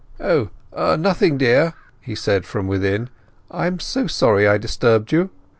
"Oh, nothing, dear," he said from within. "I am so sorry I disturbed you!